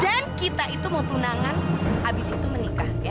dan kita itu mau tunangan abis itu menikah